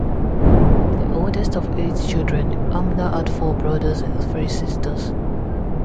The oldest of eight children, Hamner had four brothers and three sisters.